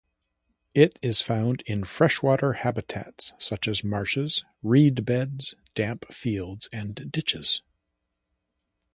It is found in freshwater habitats such as marshes, reedbeds, damp fields and ditches.